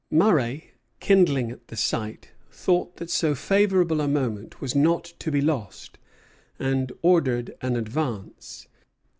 Murray, kindling at the sight, thought that so favorable a moment was not to be lost, and ordered an advance.